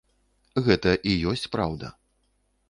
Гэта і ёсць праўда.